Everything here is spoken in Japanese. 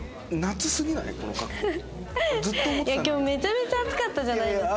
今日めちゃめちゃ暑かったじゃないですか。